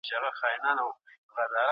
ماشومان د انساني فطرت په اړه پوښتني کوي.